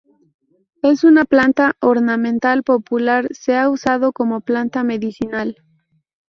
Es una planta ornamental popular, se ha usado como planta medicinal.